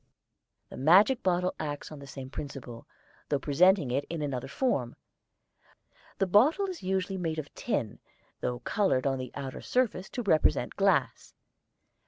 [Illustration: Fig. 1.] The magic bottle acts on the same principle, though presenting it in another form. The bottle is usually made of tin, though colored on the outer surface to represent glass.